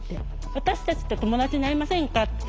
私たちと友達になりませんかって。